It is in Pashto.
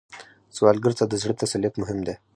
سوالګر ته د زړه تسلیت مهم دی